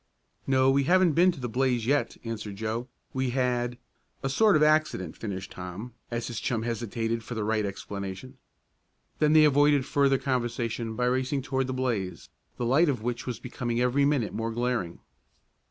"No, we haven't been to the blaze yet," answered Joe. "We had " "A sort of accident," finished Tom, as his chum hesitated for the right explanation. Then they avoided further conversation by racing toward the blaze, the light of which was becoming every minute more glaring.